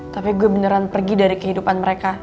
tapi gue beneran pergi dari kehidupan mereka